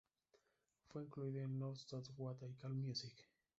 Fue incluido en "Now That's What I Call Music!